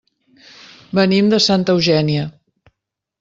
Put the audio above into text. Venim de Santa Eugènia.